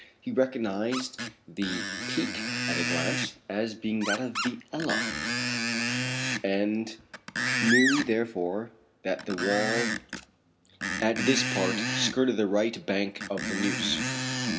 He recognized the peak at a glance as being that of the Ebba, and knew therefore that the wall at this part skirted the right bank of the Neuse.